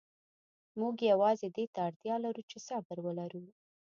موږ یوازې دې ته اړتیا لرو چې صبر ولرو.